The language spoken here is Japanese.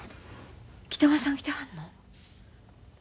北川さん来てはんの？